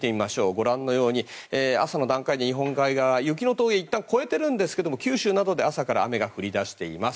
ご覧のように朝の段階で日本海側は雪の峠はいったん超えますが九州などからは朝から雨が降り出しています。